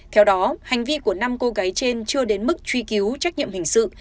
theo đó hành vi của năm cô gái trên chưa đến mức truy cứu trách nhiệm hình sự